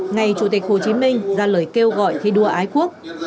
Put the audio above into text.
ngày chủ tịch hồ chí minh ra lời kêu gọi thi đua ái quốc